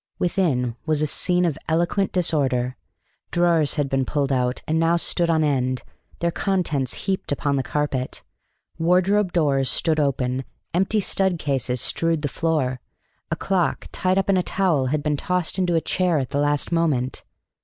Within was a scene of eloquent disorder. Drawers had been pulled out, and now stood on end, their contents heaped upon the carpet. Wardrobe doors stood open; empty stud cases strewed the floor; a clock, tied up in a towel, had been tossed into a chair at the last moment.